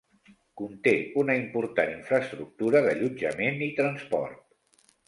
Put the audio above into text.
Conté una important infraestructura d'allotjament i transport.